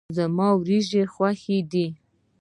زما وريجي خوښي دي.